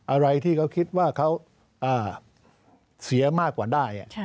อะไรที่เขาคิดว่าเขาเสียมากกว่าได้